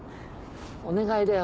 お願いだよ